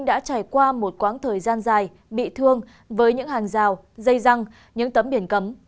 nhưng nay tp hcm đã trải qua một quãng thời gian dài bị thương với những hàng rào dây răng những tấm biển cấm